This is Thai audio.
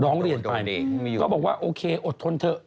ร้องเรียนไปก็บอกว่าโอเคอดทนเถอะ